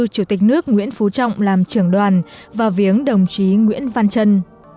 chủ tịch nước nguyễn phú trọng làm trưởng đoàn và viếng đồng chí nguyễn văn trân